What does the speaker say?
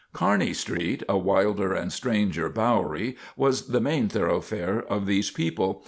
Kearney street, a wilder and stranger Bowery, was the main thoroughfare of these people.